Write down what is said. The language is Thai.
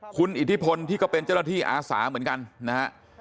คุณอิทธิพลที่ก็เป็นเจ้าหน้าที่อาสาเหมือนกันนะฮะ